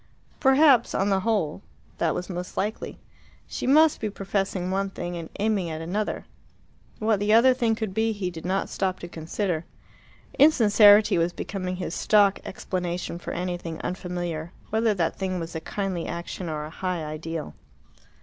Perhaps, on the whole, that was most likely. She must be professing one thing and aiming at another. What the other thing could be he did not stop to consider. Insincerity was becoming his stock explanation for anything unfamiliar, whether that thing was a kindly action or a high ideal.